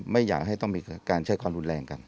ไม่อยากให้ต้องมีการใช้ความรุนแรงกัน